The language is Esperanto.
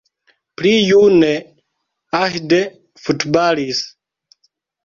Pli june Ahde futbalis.